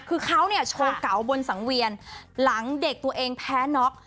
คือเขาเนี่ยโชว์เก่าบนสังเวียนหลังเด็กตัวเองแพ้น็อก